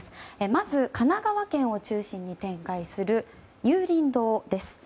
まず、神奈川県を中心に展開する有隣堂です。